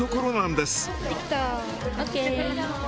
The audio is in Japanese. できた！